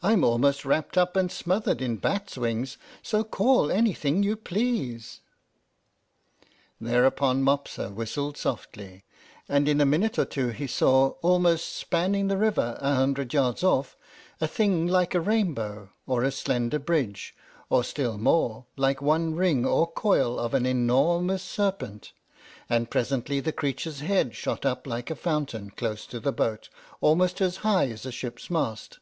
"I'm almost wrapped up and smothered in bats' wings, so call anything you please." Thereupon Mopsa whistled softly, and in a minute or two he saw, almost spanning the river, a hundred yards off, a thing like a rainbow, or a slender bridge, or still more, like one ring or coil of an enormous serpent; and presently the creature's head shot up like a fountain, close to the boat, almost as high as a ship's mast.